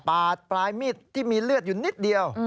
ปลายมีดที่มีเลือดอยู่นิดเดียว